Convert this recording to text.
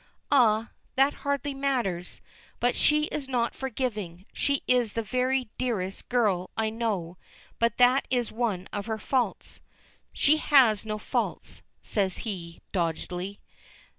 "Ah, that hardly matters. But she is not forgiving. She is the very dearest girl I know, but that is one of her faults." "She has no faults," says he, doggedly.